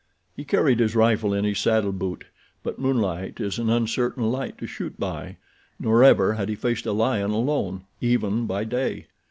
He carried his rifle in his saddle boot; but moonlight is an uncertain light to shoot by, nor ever had he faced a lion alone—even by day.